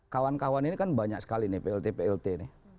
kawan kawan ini kan banyak sekali nih plt plt nih